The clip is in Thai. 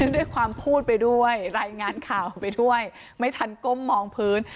ด้วยความพูดไปด้วยรายงานข่าวไปด้วยไม่ทันก้มมองพื้น